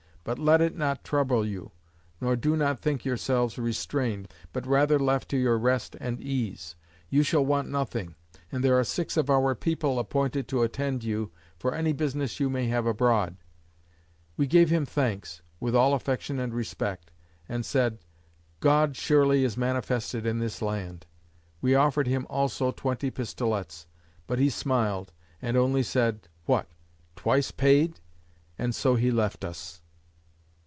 But let it not trouble you, nor do not think yourselves restrained, but rather left to your rest and ease. You shall want nothing, and there are six of our people appointed to attend you, for any business you may have abroad." We gave him thanks, with all affection and respect, and said, "God surely is manifested in this land." We offered him also twenty pistolets; but he smiled, and only said; "What? twice paid!" And so he left us.